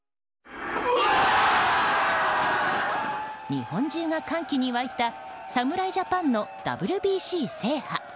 日本中が歓喜に沸いた侍ジャパンのＷＢＣ制覇。